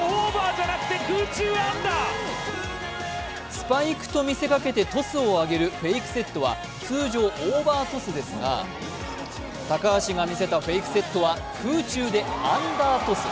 スパイクと見せかけてトスをあげるフェイクセットは通常、オーバートスですが高橋が見せたフェイクセットは空中でアンダートス。